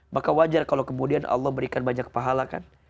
maka wajar kalau kemudian allah berikan banyak pahala kan